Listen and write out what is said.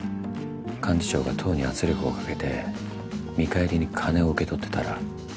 幹事長が党に圧力をかけて見返りに金を受け取ってたら。